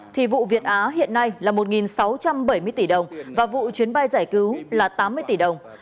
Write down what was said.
thì vụ việt á hiện nay là một sáu trăm bảy mươi tỷ đồng và vụ chuyến bay giải cứu là tám mươi tỷ đồng